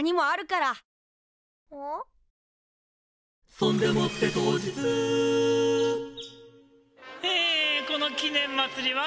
「そんでもって当日」えこの記念まつりはね